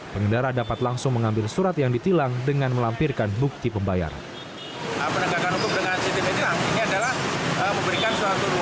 pengendara dapat langsung mengambil surat yang ditilang dengan melampirkan bukti pembayaran